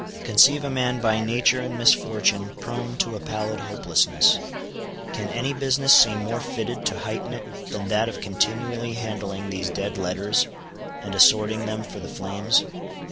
Conceive a man by nature and misfortune prone to a pallid hopelessness, can any business seem more fitted to heighten it than that of continually handling these dead letters, and assorting them for the flames?